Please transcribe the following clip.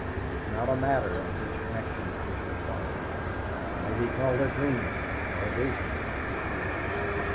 It is not a matter on which action is required. It may be called a dream or a vision, as you please.